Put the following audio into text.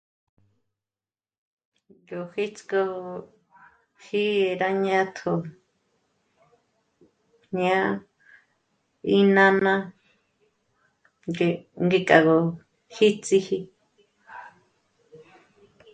Yó pjíts'k'oji rá jñátjo, ñá'a í nána ngé... ngé k'a gó híts'iji